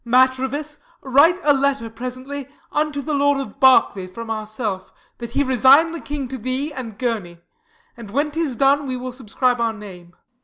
Matrevis, write a letter presently Unto the Lord of Berkeley from ourself, That he resign the king to thee and Gurney; And, when 'tis done, we will subscribe our name.